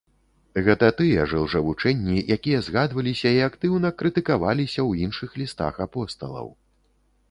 Гэта тыя ж ілжэвучэнні, якія згадваліся і актыўна крытыкаваліся ў іншых лістах апосталаў.